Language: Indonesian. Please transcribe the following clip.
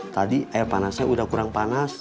tadi air panasnya udah kurang panas